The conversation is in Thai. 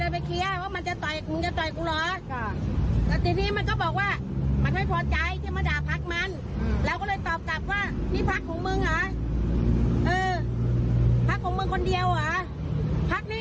ภาคนี้ไม่มีภาคของใครหรอก